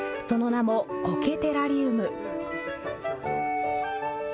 その名も、こけテラリウム。